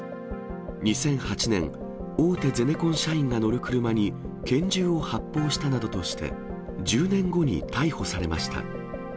２００８年、大手ゼネコン社員が乗る車に拳銃を発砲したなどとして、１０年後に逮捕されました。